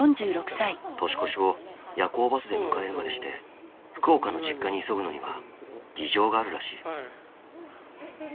年越しを夜行バスで迎えるまでして福岡の実家に急ぐのには事情があるらしい。